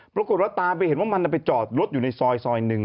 ปรากฏว่าตามไปเห็นว่ามันไปจอดรถอยู่ในซอยหนึ่ง